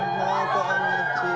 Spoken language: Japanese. こんにちは！